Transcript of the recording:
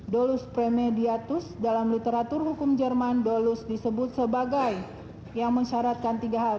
dolus premediatus dalam literatur hukum jerman dolus disebut sebagai yang mensyaratkan tiga hal